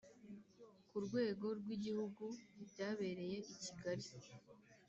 Ku rwego rw’ Igihugu byabereye I Kigali.